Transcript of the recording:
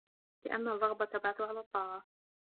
لِأَنَّ الرَّغْبَةَ تَبْعَثُ عَلَى الطَّاعَةِ